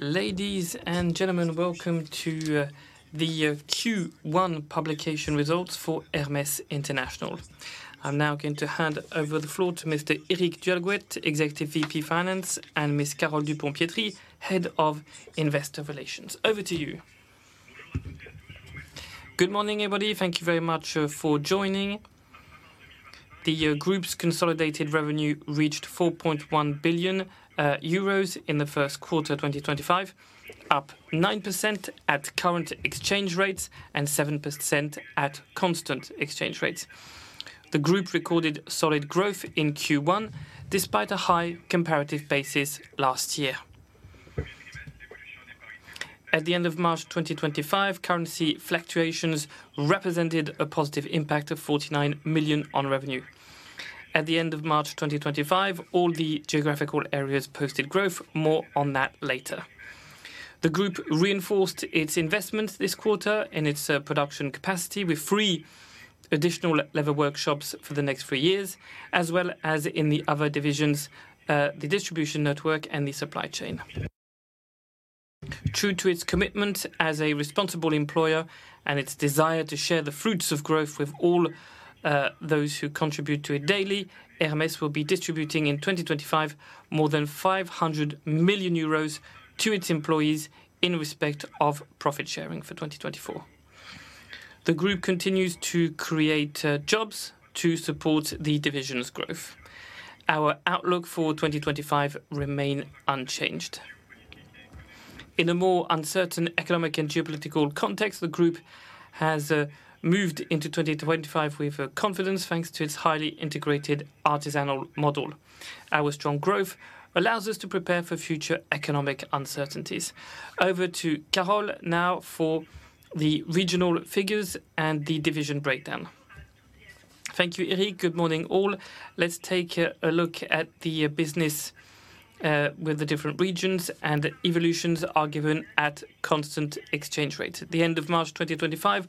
Ladies and gentlemen, welcome to the Q1 publication results for Hermès International. I'm now going to hand over the floor to Mr. Éric du Halgouët, Executive VP Finance, and Ms. Carole Dupont-Pietri, Head of Investor Relations. Over to you. Good morning, everybody. Thank you very much for joining. The group's consolidated revenue reached 4.1 billion euros in the first quarter of 2025, up 9% at current exchange rates and 7% at constant exchange rates. The group recorded solid growth in Q1 despite a high comparative basis last year. At the end of March 2025, currency fluctuations represented a positive impact of 49 million on revenue. At the end of March 2025, all the geographical areas posted growth, more on that later. The group reinforced its investments this quarter in its production capacity with three additional level workshops for the next three years, as well as in the other divisions, the distribution network and the supply chain. True to its commitment as a responsible employer and its desire to share the fruits of growth with all those who contribute to it daily, Hermès will be distributing in 2025 more than 500 million euros to its employees in respect of profit sharing for 2024. The group continues to create jobs to support the division's growth. Our outlook for 2025 remains unchanged. In a more uncertain economic and geopolitical context, the group has moved into 2025 with confidence thanks to its highly integrated artisanal model. Our strong growth allows us to prepare for future economic uncertainties. Over to Carole now for the regional figures and the division breakdown. Thank you, Éric. Good morning, all. Let's take a look at the business with the different regions, and the evolutions are given at constant exchange rates. At the end of March 2025,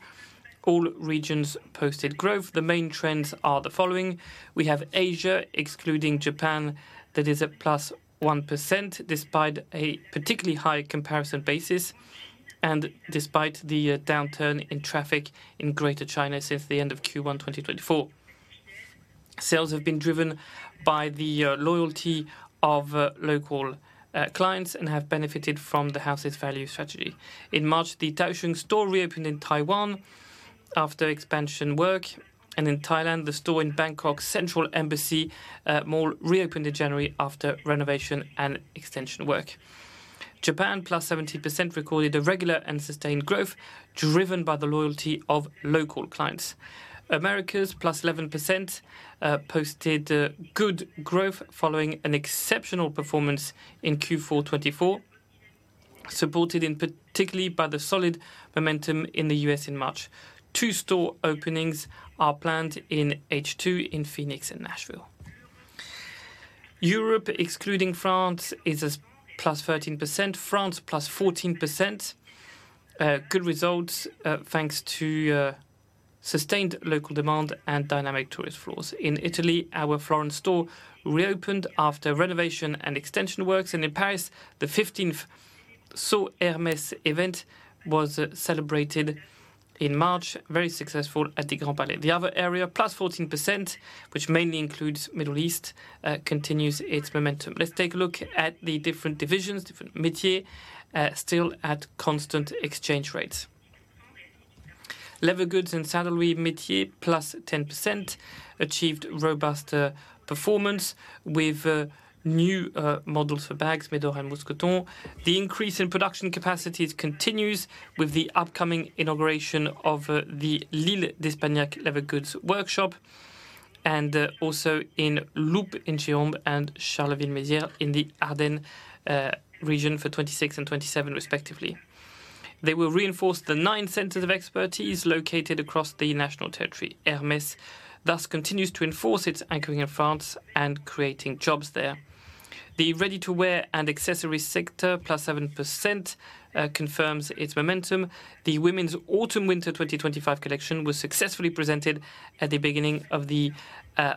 all regions posted growth. The main trends are the following. We have Asia, excluding Japan, that is at plus 1% despite a particularly high comparison basis and despite the downturn in traffic in Greater China since the end of Q1 2024. Sales have been driven by the loyalty of local clients and have benefited from the house's value strategy. In March, the Douchong store reopened in Taiwan after expansion work, and in Thailand, the store in Bangkok's Central Embassy Mall reopened in January after renovation and extension work. Japan, plus 17%, recorded a regular and sustained growth driven by the loyalty of local clients. America's plus 11% posted good growth following an exceptional performance in Q4 2024, supported in particular by the solid momentum in the US in March. Two store openings are planned in H2 in Phoenix and Nashville. Europe, excluding France, is plus 13%. France, plus 14%. Good results thanks to sustained local demand and dynamic tourist flows. In Italy, our Florence store reopened after renovation and extension works, and in Paris, the 15th Hermès event was celebrated in March, very successful at the Grand Palais. The other area, plus 14%, which mainly includes the Middle East, continues its momentum. Let's take a look at the different divisions, different métiers, still at constant exchange rates. Leather goods and saddlery métiers, +10%, achieved robust performance with new models for bags, Médor and Mousqueton. The increase in production capacities continues with the upcoming inauguration of the L’Isle-d’Espagnac leather goods workshop and also in Loupes in Gironde and Charleville-Mézières in the Ardennes region for 2026 and 2027, respectively. They will reinforce the nine centers of expertise located across the national territory. Hermès thus continues to enforce its anchoring in France and creating jobs there. The ready-to-wear and accessories sector, plus 7%, confirms its momentum. The women's Autumn-Winter 2025 collection was successfully presented at the beginning of the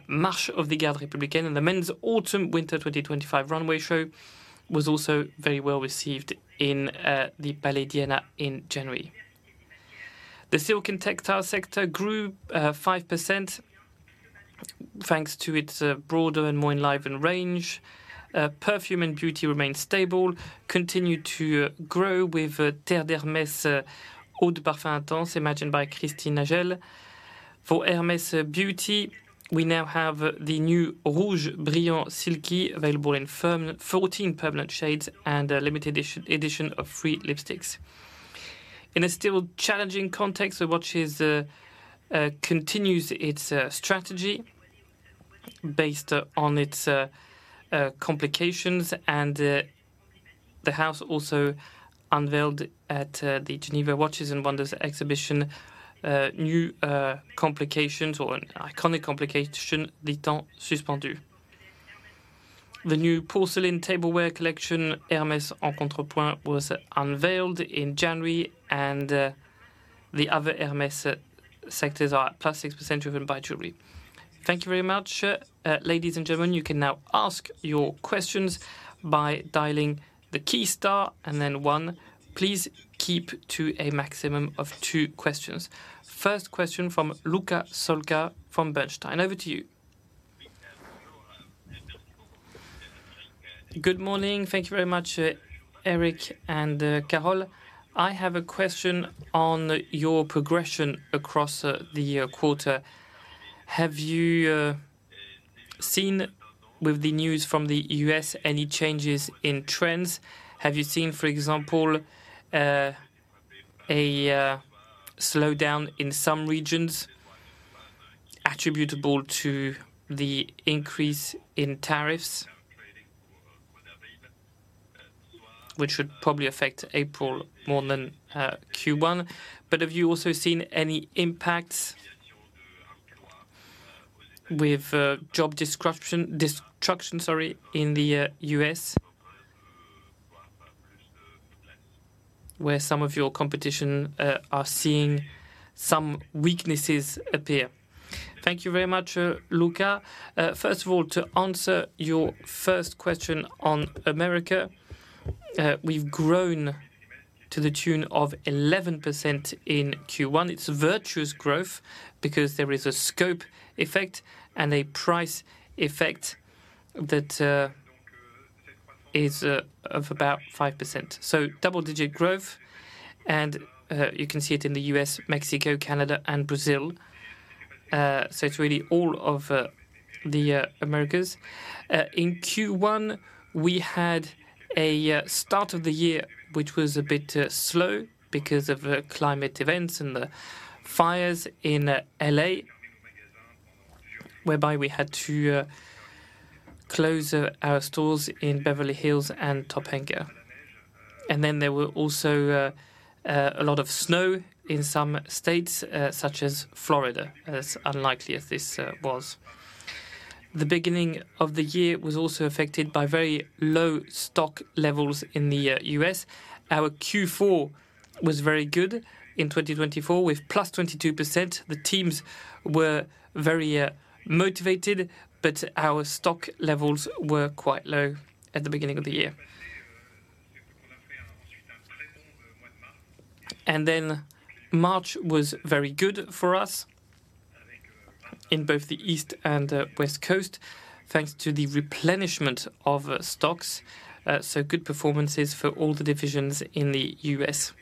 March at the Garde Républicaine, and the men's Autumn-Winter 2025 runway show was also very well received in the Palais d’Iéna in January. The silk and textile sector grew 5% thanks to its broader and more enlivened range. Perfume and beauty remained stable, continued to grow with Terre d'Hermès Eau de Parfum Intense, imagined by Christine Nagel. For Hermès Beauty, we now have the new Rouge Brillant Silky, available in 14 permanent shades and a limited edition of three lipsticks. In a still challenging context, the Watches continues its strategy based on its complications, and the house also unveiled at the Geneva Watches and Wonders exhibition new complications or an iconic complication, Le Temps Suspendu. The new porcelain tableware collection, Hermes En Contrepoint, was unveiled in January, and the other Hermès sectors are plus 6% driven by Jewellery. Thank you very much. Ladies and gentlemen, you can now ask your questions by dialing the key star and then one. Please keep to a maximum of two questions. First question from Luca Solca from Bernstein. Over to you. Good morning. Thank you very much, Éric and Carole. I have a question on your progression across the quarter. Have you seen with the news from the U.S., any changes in trends? Have you seen, for example, a slowdown in some regions attributable to the increase in tariffs, which would probably affect April more than Q1? Have you also seen any impacts with job destruction in the U.S., where some of your competition are seeing some weaknesses appear? Thank you very much, Luca. First of all, to answer your first question on America, we've grown to the tune of 11% in Q1. It's virtuous growth because there is a scope effect and a price effect that is of about 5%. Double-digit growth, and you can see it in the U.S., Mexico, Canada, and Brazil. It's really all of the Americas. In Q1, we had a start of the year which was a bit slow because of climate events and the fires in LA, whereby we had to close our stores in Beverly Hills and Topanga. There were also a lot of snow in some states, such as Florida, as unlikely as this was. The beginning of the year was also affected by very low stock levels in the U.S. Our Q4 was very good in 2024 with +22%. The teams were very motivated, but our stock levels were quite low at the beginning of the year. March was very good for us in both the East and West Coast thanks to the replenishment of stocks. Good performances for all the divisions in the U.S.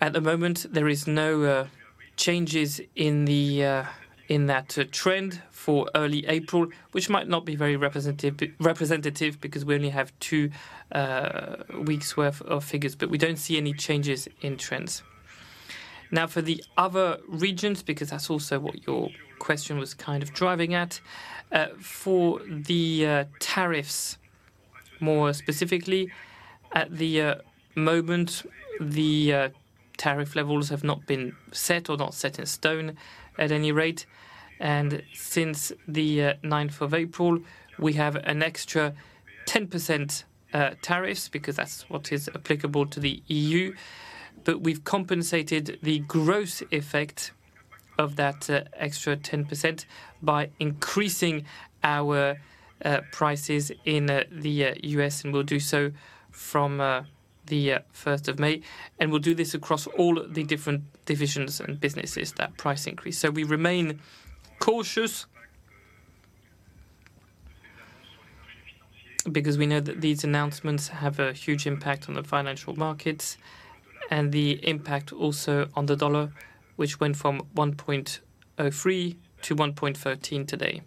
At the moment, there are no changes in that trend for early April, which might not be very representative because we only have two weeks' worth of figures, but we do not see any changes in trends. Now, for the other regions, because that is also what your question was kind of driving at, for the tariffs more specifically, at the moment, the tariff levels have not been set or not set in stone at any rate. Since the 9th of April, we have an extra 10% tariffs because that is what is applicable to the EU. We have compensated the gross effect of that extra 10% by increasing our prices in the U.S., and we will do so from the 1st of May. We will do this across all the different divisions and businesses, that price increase. We remain cautious because we know that these announcements have a huge impact on the financial markets and the impact also on the dollar, which went from $1.03 to $1.13 today.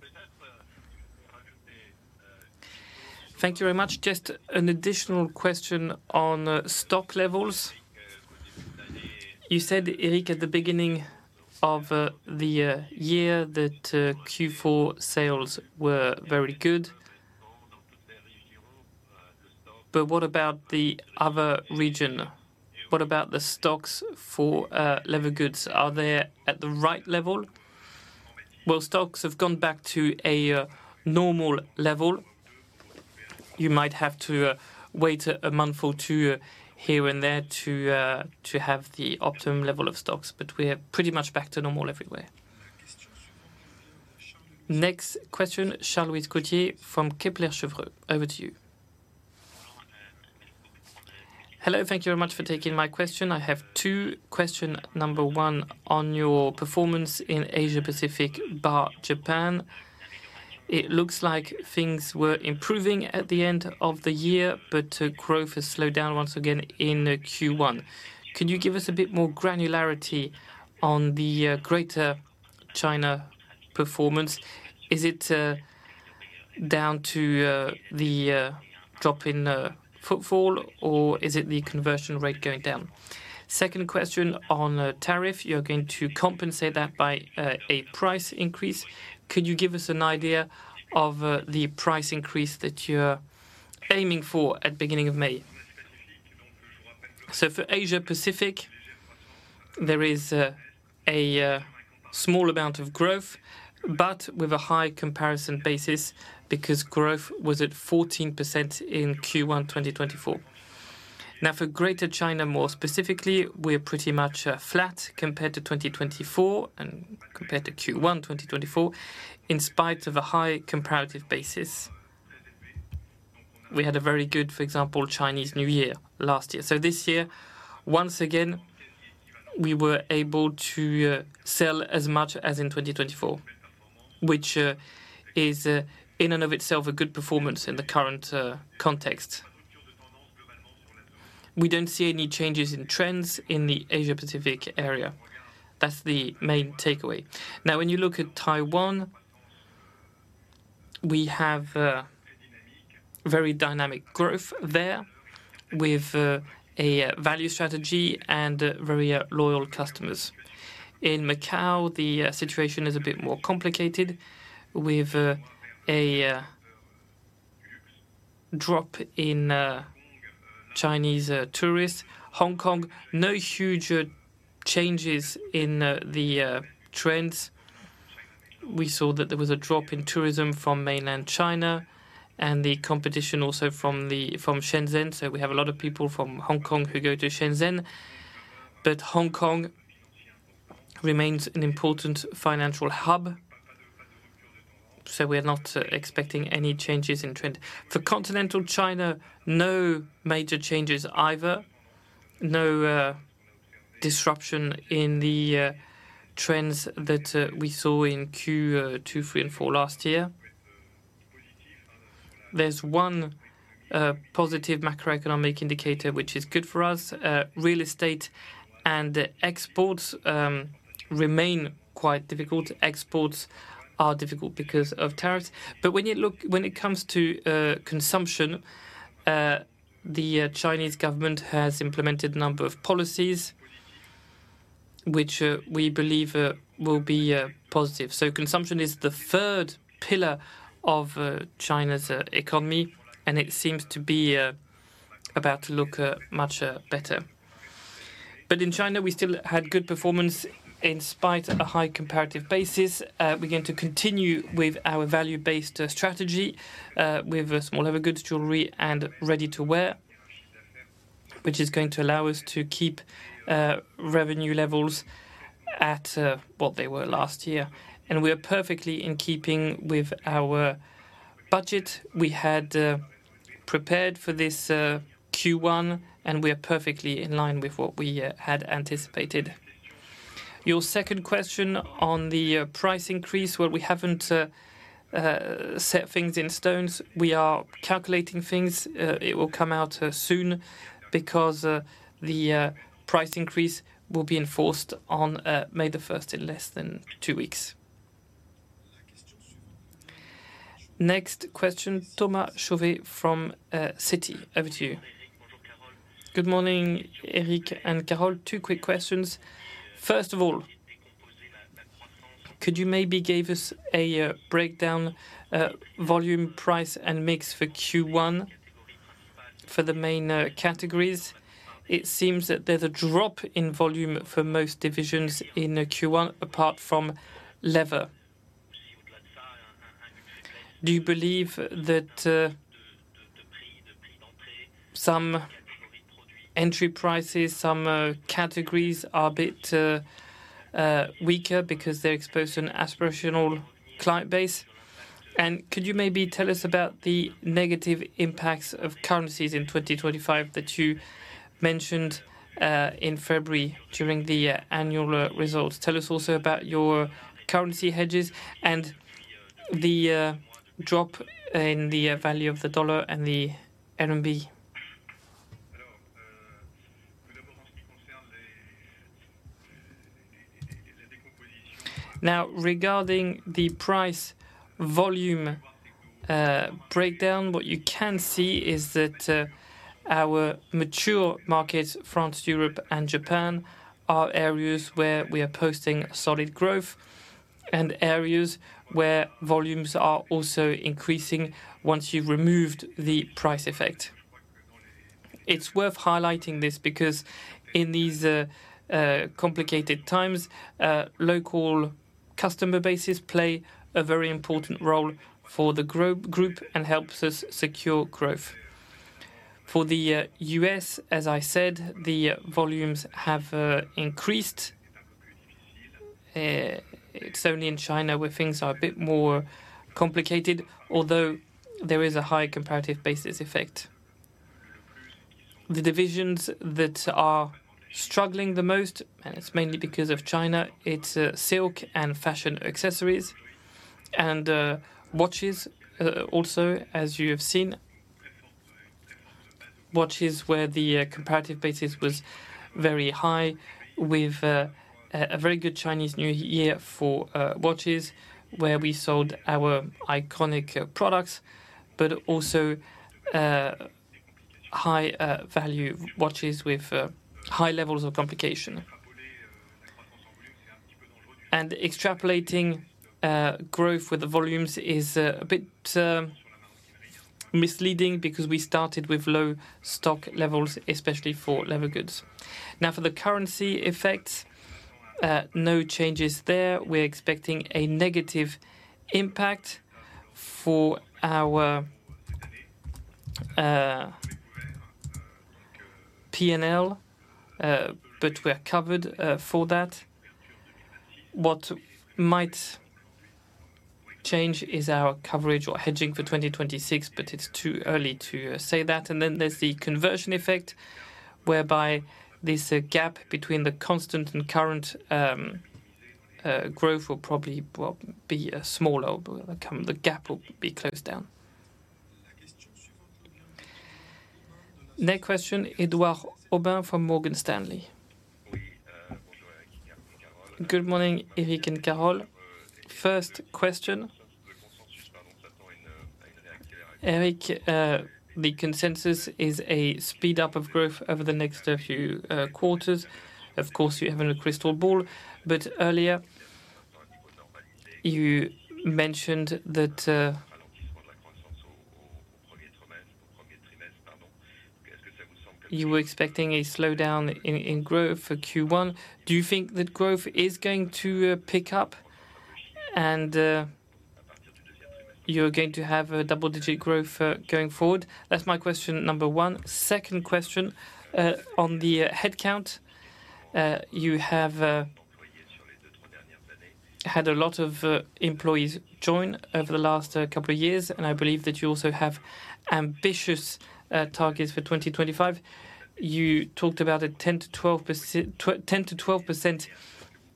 Thank you very much. Just an additional question on stock levels. You said, Éric, at the beginning of the year that Q4 sales were very good, but what about the other region? What about the stocks for level goods? Are they at the right level? Stocks have gone back to a normal level. You might have to wait a month or two here and there to have the optimum level of stocks, but we're pretty much back to normal everywhere. Next question, Charlise Cottier from Kepler Cheuvreux. Over to you. Hello. Thank you very much for taking my question. I have two questions. Number one, on your performance in Asia-Pacific bar Japan. It looks like things were improving at the end of the year, but growth has slowed down once again in Q1. Can you give us a bit more granularity on the Greater China performance? Is it down to the drop in footfall, or is it the conversion rate going down? Second question on tariff. You're going to compensate that by a price increase. Could you give us an idea of the price increase that you're aiming for at the beginning of May? For Asia-Pacific, there is a small amount of growth, but with a high comparison basis because growth was at 14% in Q1 2024. Now, for Greater China, more specifically, we're pretty much flat compared to 2024 and compared to Q1 2024, in spite of a high comparative basis. We had a very good, for example, Chinese New Year last year. This year, once again, we were able to sell as much as in 2024, which is in and of itself a good performance in the current context. We do not see any changes in trends in the Asia-Pacific area. That is the main takeaway. Now, when you look at Taiwan, we have very dynamic growth there with a value strategy and very loyal customers. In Macau, the situation is a bit more complicated with a drop in Chinese tourists. Hong Kong, no huge changes in the trends. We saw that there was a drop in tourism from mainland China and the competition also from Shenzhen. We have a lot of people from Hong Kong who go to Shenzhen, but Hong Kong remains an important financial hub, so we are not expecting any changes in trend. For continental China, no major changes either. No disruption in the trends that we saw in Q2, Q3, and Q4 last year. There is one positive macroeconomic indicator, which is good for us. Real estate and exports remain quite difficult. Exports are difficult because of tariffs. When you look, when it comes to consumption, the Chinese government has implemented a number of policies which we believe will be positive. Consumption is the third pillar of China's economy, and it seems to be about to look much better. In China, we still had good performance in spite of a high comparative basis. We are going to continue with our value-based strategy with small leather goods, Jewellery, and ready-to-wear, which is going to allow us to keep revenue levels at what they were last year. We are perfectly in keeping with our budget we had prepared for this Q1, and we are perfectly in line with what we had anticipated. Your second question on the price increase, we have not set things in stone. We are calculating things. It will come out soon because the price increase will be enforced on May 1 in less than two weeks. Next question, Thomas Chauvet from Citi. Over to you. Good morning, Éric and Carole. Two quick questions. First of all, could you maybe give us a breakdown, volume, price, and mix for Q1 for the main categories? It seems that there is a drop in volume for most divisions in Q1 apart from leather. Do you believe that some entry prices, some categories are a bit weaker because they are exposed to an aspirational client base? Could you maybe tell us about the negative impacts of currencies in 2025 that you mentioned in February during the annual results? Tell us also about your currency hedges and the drop in the value of the dollar and the RMB. Now, regarding the price volume breakdown, what you can see is that our mature markets, France, Europe, and Japan, are areas where we are posting solid growth and areas where volumes are also increasing once you've removed the price effect. It's worth highlighting this because in these complicated times, local customer bases play a very important role for the group and help us secure growth. For the U.S., as I said, the volumes have increased. It's only in China where things are a bit more complicated, although there is a high comparative basis effect. The divisions that are struggling the most, and it's mainly because of China, it's silk and fashion accessories and watches also, as you have seen. Watches where the comparative basis was very high with a very good Chinese New Year for watches where we sold our iconic products, but also high-value watches with high levels of complication. Extrapolating growth with the volumes is a bit misleading because we started with low stock levels, especially for leather goods. Now, for the currency effects, no changes there. We're expecting a negative impact for our P&L, but we're covered for that. What might change is our coverage or hedging for 2026, but it's too early to say that. There is the conversion effect whereby this gap between the constant and current growth will probably be smaller, but the gap will be closed down. Next question, Édouard Aubin from Morgan Stanley. Good morning, Éric and Carole. First question. Éric, the consensus is a speed up of growth over the next few quarters. Of course, you haven't a crystal ball, but earlier you mentioned that you were expecting a slowdown in growth for Q1. Do you think that growth is going to pick up and you're going to have a double-digit growth going forward? That's my question number one. Second question, on the headcount, you had a lot of employees join over the last couple of years, and I believe that you also have ambitious targets for 2025. You talked about a 10%-12%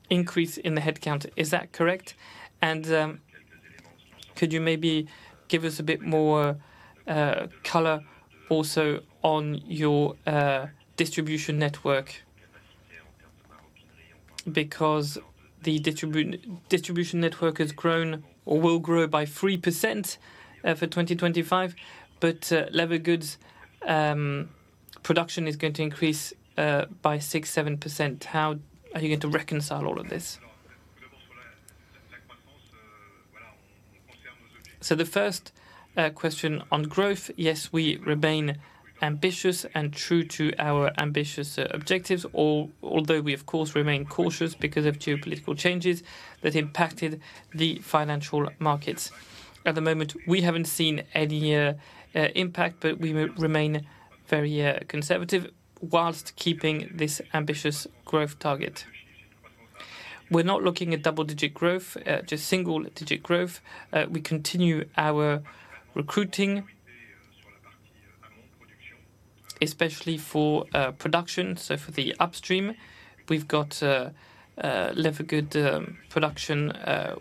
increase in the headcount. Is that correct? Could you maybe give us a bit more color also on your distribution network? Because the distribution network has grown or will grow by 3% for 2025, but leather goods production is going to increase by 6%-7%. How are you going to reconcile all of this? The first question on growth, yes, we remain ambitious and true to our ambitious objectives, although we, of course, remain cautious because of geopolitical changes that impacted the financial markets. At the moment, we haven't seen any impact, but we remain very conservative whilst keeping this ambitious growth target. We're not looking at double-digit growth, just single-digit growth. We continue our recruiting, especially for production. For the upstream, we've got leather goods production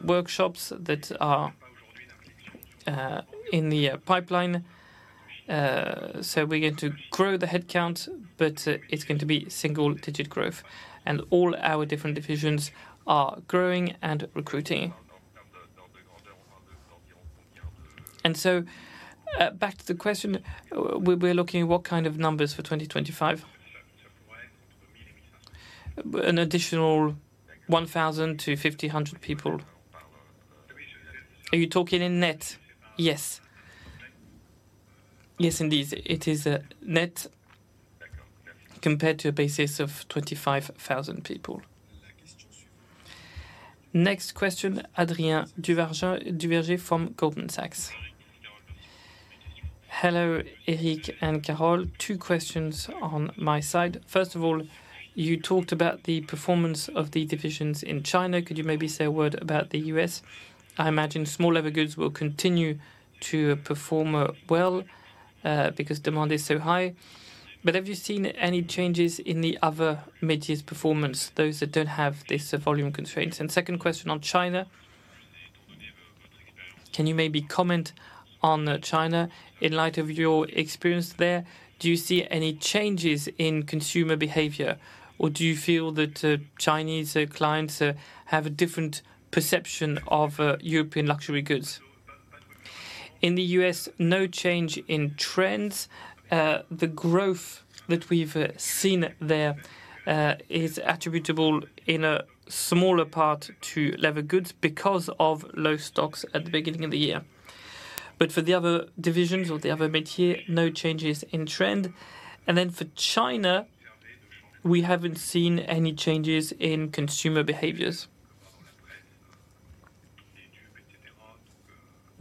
workshops that are in the pipeline. We're going to grow the headcount, but it's going to be single-digit growth. All our different divisions are growing and recruiting. Back to the question, we're looking at what kind of numbers for 2025? An additional 1,000-1,500 people. Are you talking in net? Yes. Yes, indeed. It is net compared to a basis of 25,000 people. Next question, Adrien Duverger from Goldman Sachs. Hello, Éric and Carole. Two questions on my side. First of all, you talked about the performance of the divisions in China. Could you maybe say a word about the U.S.? I imagine small level goods will continue to perform well because demand is so high. Have you seen any changes in the other mid-year performance, those that do not have this volume constraints? Second question on China, can you maybe comment on China in light of your experience there? Do you see any changes in consumer behavior, or do you feel that Chinese clients have a different perception of European luxury goods? In the US, no change in trends. The growth that we've seen there is attributable in a smaller part to leather goods because of low stocks at the beginning of the year. For the other divisions or the other métiers, no changes in trend. For China, we haven't seen any changes in consumer behaviors.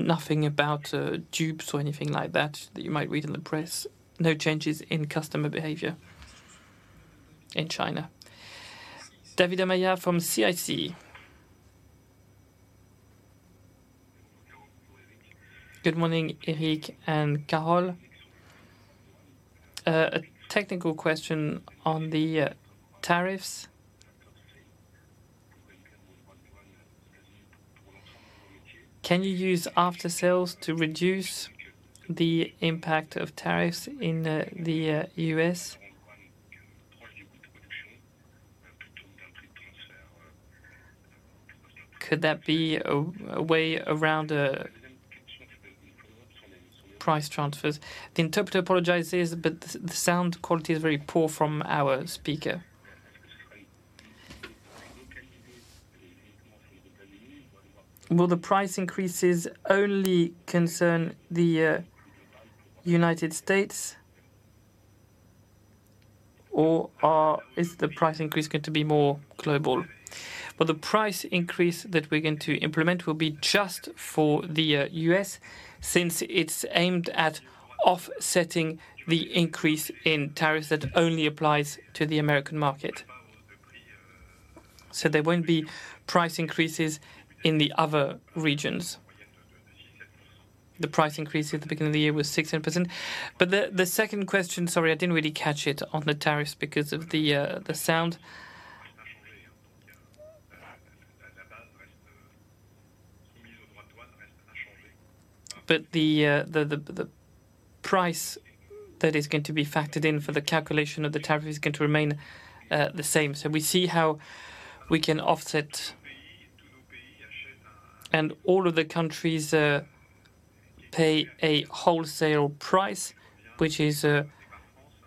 Nothing about dupes or anything like that that you might read in the press. No changes in customer behavior in China. David Amaillard from CIC. Good morning, Éric and Carole. A technical question on the tariffs. Can you use after-sales to reduce the impact of tariffs in the U.S? Could that be a way around price transfers? The interpreter apologizes, but the sound quality is very poor from our speaker. Will the price increases only concern the United States, or is the price increase going to be more global? The price increase that we're going to implement will be just for the U.S., since it's aimed at offsetting the increase in tariffs that only applies to the American market. There won't be price increases in the other regions. The price increase at the beginning of the year was 6%. The second question, sorry, I didn't really catch it on the tariffs because of the sound. The price that is going to be factored in for the calculation of the tariff is going to remain the same. We see how we can offset and all of the countries pay a wholesale price, which is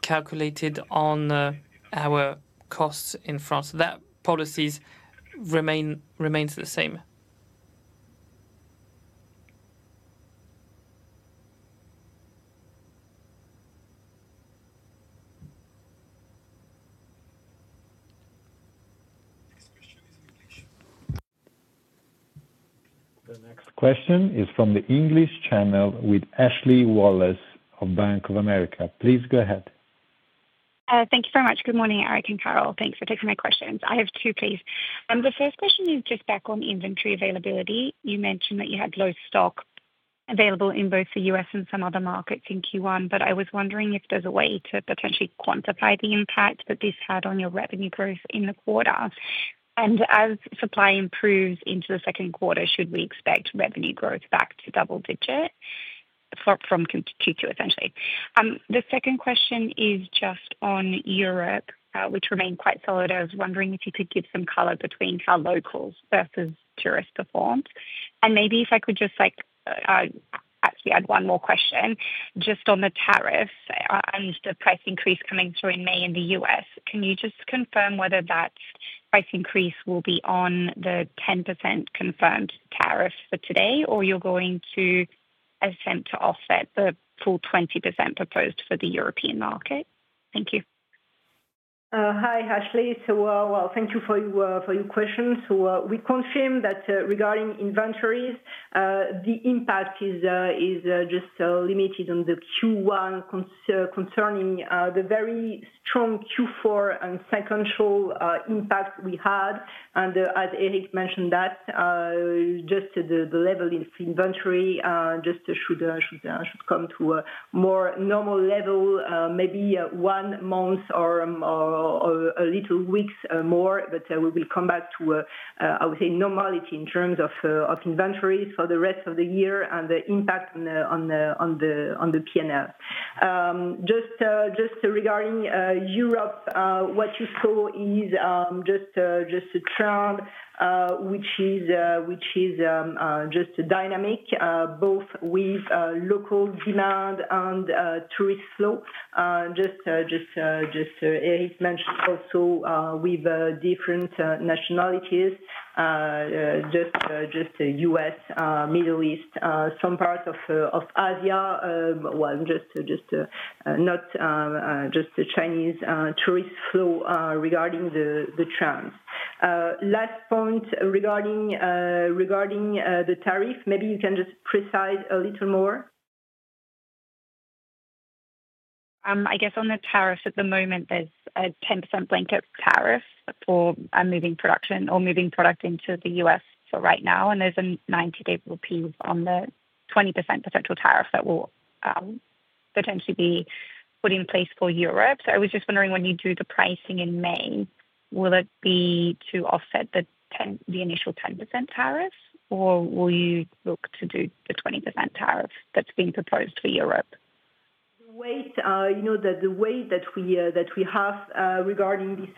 calculated on our costs in France. That policy remains the same. The next question is from the English channel with Ashley Wallace of Bank of America. Please go ahead. Thank you very much. Good morning, Éric and Carole. Thanks for taking my questions. I have two, please. The first question is just back on inventory availability. You mentioned that you had low stock available in both the U.S., and some other markets in Q1, but I was wondering if there's a way to potentially quantify the impact that this had on your revenue growth in the quarter. As supply improves into the second quarter, should we expect revenue growth back to double-digit from Q2, essentially? The second question is just on Europe, which remained quite solid. I was wondering if you could give some color between how locals versus tourists performed. Maybe if I could just actually add one more question just on the tariffs and the price increase coming through in May in the U.S., can you just confirm whether that price increase will be on the 10% confirmed tariff for today, or you're going to attempt to offset the full 20% proposed for the European market? Thank you. Hi, Ashley. Thank you for your questions. We confirm that regarding inventories, the impact is just limited on the Q1 concerning the very strong Q4 and secondary impact we had. As Éric mentioned, the level of inventory should just come to a more normal level, maybe one month or a little weeks more, but we will come back to, I would say, normality in terms of inventories for the rest of the year and the impact on the P&L. Just regarding Europe, what you saw is just a trend, which is just dynamic, both with local demand and tourist flow. Éric mentioned also with different nationalities, just U.S., Middle East, some parts of Asia, not just Chinese tourist flow regarding the trends. Last point regarding the tariff, maybe you can just precise a little more. I guess on the tariffs at the moment, there's a 10% blanket tariff for moving production or moving product into the U.S., for right now, and there's a 90-day rupee on the 20% potential tariff that will potentially be put in place for Europe. I was just wondering when you do the pricing in May, will it be to offset the initial 10% tariff, or will you look to do the 20% tariff that's being proposed for Europe? The way that we have regarding this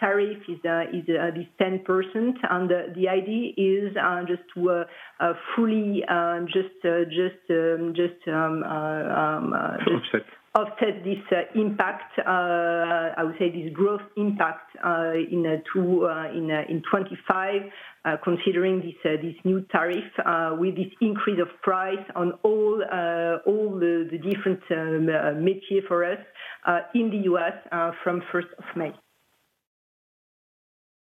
tariff is 10%, and the idea is just to fully just offset this impact, I would say this growth impact in 2025, considering this new tariff with this increase of price on all the different métiers for us in the U.S., from 1st of May.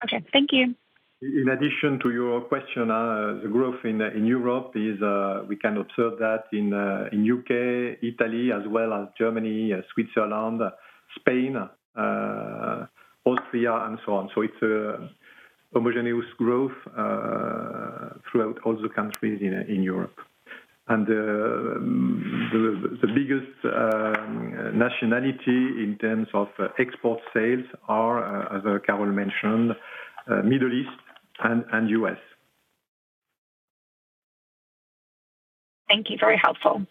Okay. Thank you. In addition to your question, the growth in Europe is we can observe that in the U.K., Italy, as well as Germany, Switzerland, Spain, Austria, and so on. It is a homogeneous growth throughout all the countries in Europe. The biggest nationality in terms of export sales are, as Carole mentioned, Middle East and U.S. Thank you. Very helpful.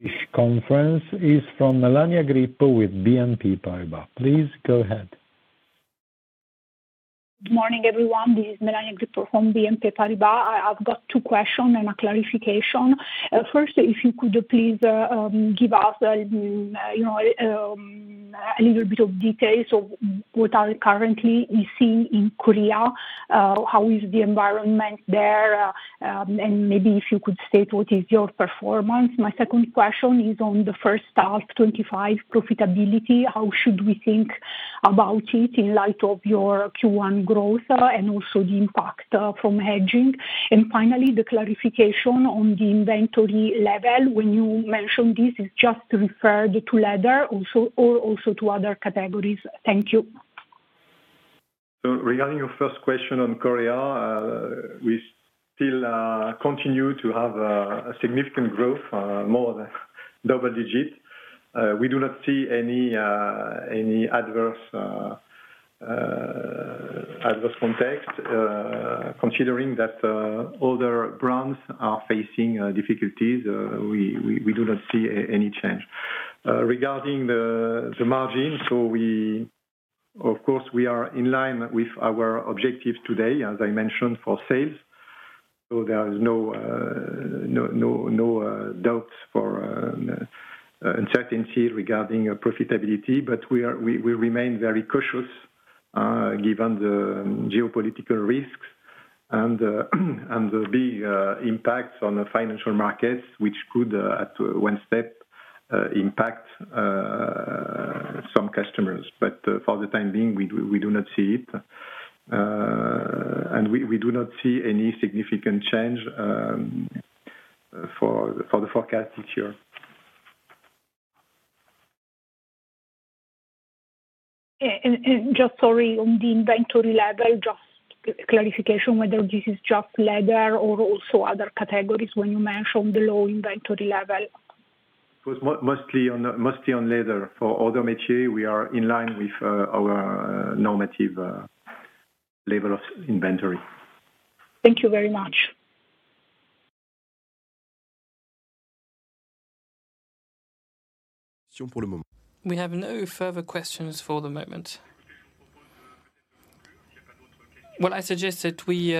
This conference is from Melania Gripo with BNP Paribas. Please go ahead. Good morning, everyone. This is Melania Gripo from BNP Paribas. I've got two questions and a clarification. First, if you could please give us a little bit of details of what are currently you see in Korea, how is the environment there, and maybe if you could state what is your performance. My second question is on the first half, 2025, profitability. How should we think about it in light of your Q1 growth and also the impact from hedging? Finally, the clarification on the inventory level, when you mentioned this is just referred to leather or also to other categories. Thank you. Regarding your first question on Korea, we still continue to have a significant growth, more than double-digit. We do not see any adverse context. Considering that other brands are facing difficulties, we do not see any change. Regarding the margin, of course, we are in line with our objectives today, as I mentioned, for sales. There is no doubt or uncertainty regarding profitability, but we remain very cautious given the geopolitical risks and the big impacts on the financial markets, which could, at one step, impact some customers. For the time being, we do not see it. We do not see any significant change for the forecast this year. Just sorry, on the inventory level, just clarification whether this is just leather or also other categories when you mentioned the low inventory level. It was mostly on leather. For other métiers, we are in line with our normative level of inventory. Thank you very much. I suggest that we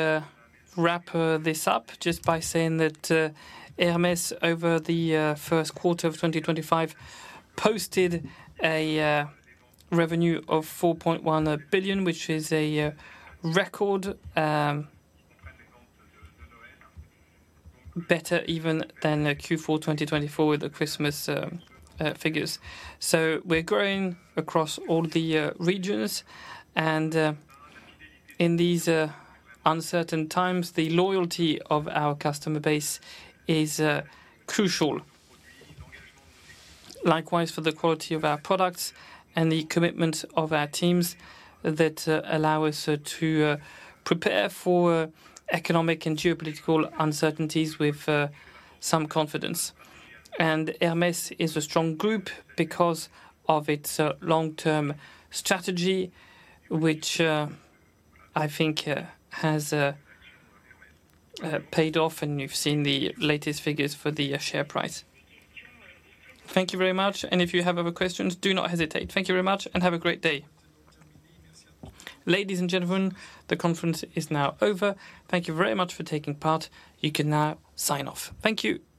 wrap this up just by saying that Hermès, over the first quarter of 2025, posted a revenue of 4.1 billion, which is a record, better even than Q4 2024 with the Christmas figures. We are growing across all the regions. In these uncertain times, the loyalty of our customer base is crucial. Likewise, the quality of our products and the commitment of our teams allow us to prepare for economic and geopolitical uncertainties with some confidence. Hermès is a strong group because of its long-term strategy, which I think has paid off, and you have seen the latest figures for the share price. Thank you very much. If you have other questions, do not hesitate. Thank you very much, and have a great day. Ladies and gentlemen, the conference is now over. Thank you very much for taking part. You can now sign off. Thank you.